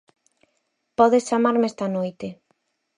Podes chamarme esta noite.